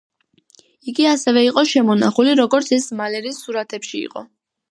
იგი ისევე იყო შემონახული, როგორც ეს მალერის სურათებში იყო.